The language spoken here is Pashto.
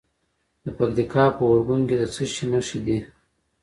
د پکتیکا په ارګون کې د څه شي نښې دي؟